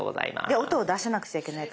で音を出さなくちゃいけないから。